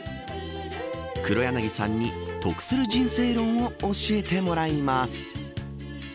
黒柳さんに得する人生論を教えてもらいます。